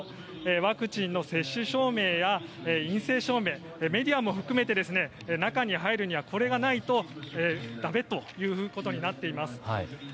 ワクチンの接種証明や陰性証明メディアも含めて中に入るにはこれがないとだめということになっています。